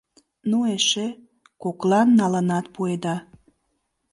Ну эше... коклан налынат пуэда.